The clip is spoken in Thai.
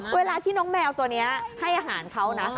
เวลาที่น้องแมวตัวนี้ให้อาหารเขานะ